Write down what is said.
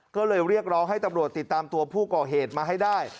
ก็เลยเรียกร้องให้ตำรวจติดตามตัวผู้ก่อเหตุมาให้ได้